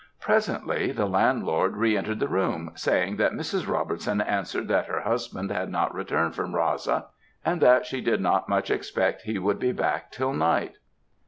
"Presently, the landlord re entered the room, saying, that Mrs. Robertson answered that her husband had not returned from Raasa, and that she did not much expect he would be back till night.